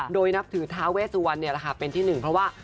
โดยนับถือท้าเวสวันเป็นที่หนึ่งเพราะว่า